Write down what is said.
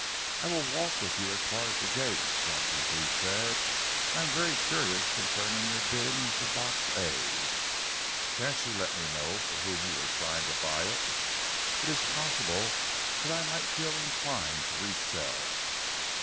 "I will walk with you as far as the gate," Jocelyn Thew said. "I am very curious concerning your bidding for Box A. Can't you let me know for whom you were trying to buy it? It is possible that I might feel inclined to resell."